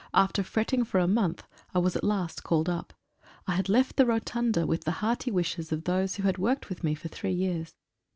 After fretting for a month, I was at length called up. I had left the Rotunda with the hearty wishes of those who had worked with me for three years.